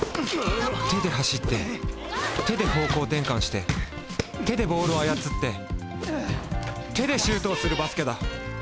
手で走って手で方向転換して手でボールを操って手でシュートをするバスケだ！